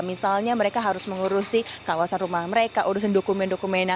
misalnya mereka harus mengurusi kawasan rumah mereka urusan dokumen dokumen yang lain juga